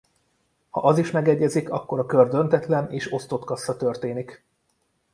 Ha az is megegyezik akkor a kör döntetlen és osztott kassza történik.